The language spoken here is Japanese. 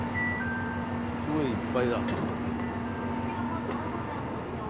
すごいいっぱいだ。